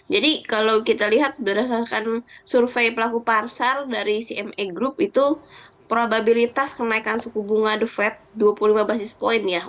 jadi kalau kita lihat berdasarkan survei pelaku parsal dari cma group itu probabilitas kenaikan suku bunga the fed dua puluh lima basis point ya